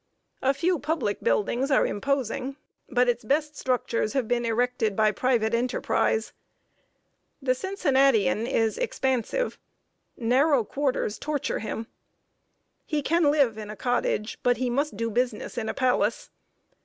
A few public buildings are imposing; but its best structures have been erected by private enterprise. The Cincinnatian is expansive. Narrow quarters torture him. He can live in a cottage, but he must do business in a palace.